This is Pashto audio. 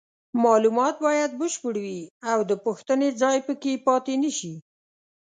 معلومات باید بشپړ وي او د پوښتنې ځای پکې پاتې نشي.